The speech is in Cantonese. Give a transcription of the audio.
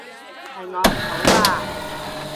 係我唔好啊